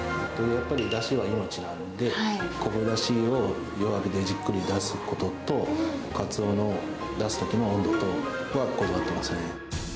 だしは命なんで、昆布だしを弱火でじっくり出すことと、カツオの出すときの温度とは、こだわってますね。